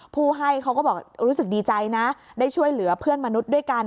ผู้ให้เขาก็บอกรู้สึกดีใจนะได้ช่วยเหลือเพื่อนมนุษย์ด้วยกัน